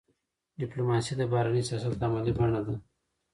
ډيپلوماسي د بهرني سیاست عملي بڼه ده.